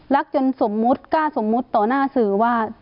จนสมมุติกล้าสมมุติต่อหน้าสื่อว่า